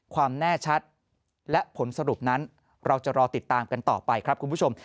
ความแน่ชัดและผลสรุปนั้นเราจะรอติดตามกันต่อไปครับคุณผู้ชม